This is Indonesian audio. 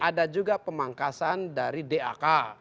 ada juga pemangkasan dari dak